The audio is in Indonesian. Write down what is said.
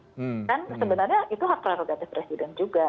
kan sebenarnya itu hak prerogatif presiden juga